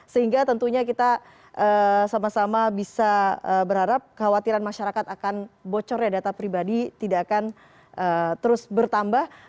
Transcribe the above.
sehingga tentunya kita sama sama bisa berharap kekhawatiran masyarakat akan bocornya data pribadi tidak akan terus bertambah